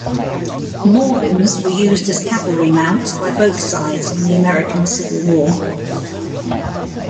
Morgans were used as cavalry mounts by both sides in the American Civil War.